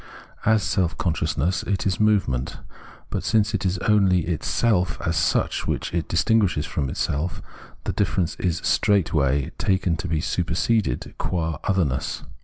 As self consciousness, it is movement ; but since it is only its self as such which it distinguishes from itself, the difference is straightway taken to be superseded qua otherness.